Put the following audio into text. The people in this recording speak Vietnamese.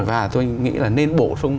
và tôi nghĩ là nên bổ sung